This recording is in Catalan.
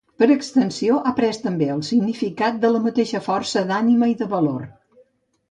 Per extensió, ha pres també el significat de la mateixa força d'ànima i de valor.